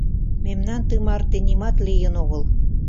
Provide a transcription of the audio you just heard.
— Мемнан тымарте нимат лийын огыл».